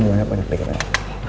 banyak banyak banyak